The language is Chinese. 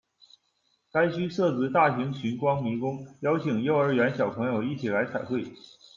该区设置大型寻光迷宫，邀请幼儿园小朋友一起来彩绘。